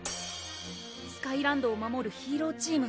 スカイランドを守るヒーローチーム